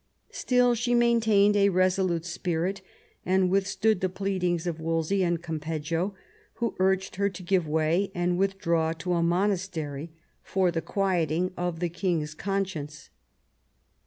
Still she maintained a resolute spirit, and withstood the pleadings of Wolsey and Campeggio, who urged her to give way and with draw to a monastery, for the quieting of the king's conscience.